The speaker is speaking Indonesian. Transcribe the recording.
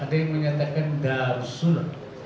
ada yang menyatakan darsul